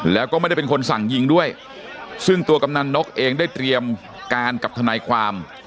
แล้วก็ไม่ได้เป็นคนสั่งยิงด้วยซึ่งตัวกำนันนกเองได้เตรียมการกับทนายความ